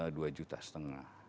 dua juta setengah